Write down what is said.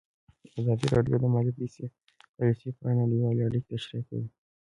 ازادي راډیو د مالي پالیسي په اړه نړیوالې اړیکې تشریح کړي.